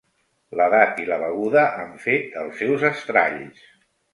L'edat i la beguda han fet els seus estralls.